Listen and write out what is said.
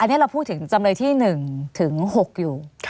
อันนี้เราพูดถึงจำเลยที่๑ถึง๖อยู่